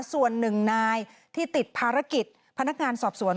ส่วนหนึ่งนายที่ติดภารกิจพนักงานสอบสวน